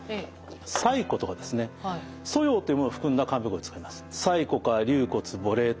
柴胡とか蘇葉というものを含んだ漢方薬を使います。